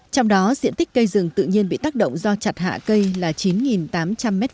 trong đó diện tích cây rừng tự nhiên bị tác động do chặt hạ cây là chín tám trăm linh m hai